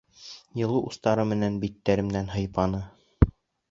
Йылы устары менән биттәренән һыйпаны.